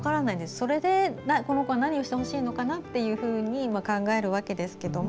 それで、この子は何をしてほしいのかなって考えるわけですけれども。